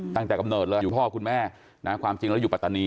ตั้งแต่กำเนิดเลยอยู่พ่อคุณแม่เราอยู่ปราตรณี